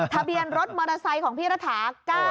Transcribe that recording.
ทะเบียนรถมอเตอร์ไซค์ของพี่รัฐา๙๙